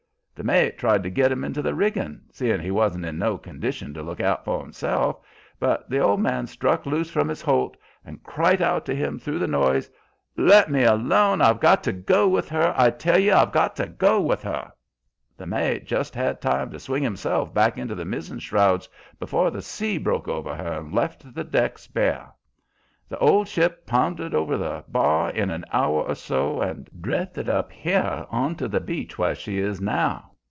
The mate tried to git him into the riggin', seein' he wan't in no condition to look out for himself; but the old man struck loose from his holt and cried out to him through the noise: "'Let me alone! I've got to go with her. I tell ye I've got to go with her!' "The mate just had time to swing himself back into the mizzen shrouds before the sea broke over her and left the decks bare. The old ship pounded over the bar in an hour or so, and drifted up here on to the beach where she is now.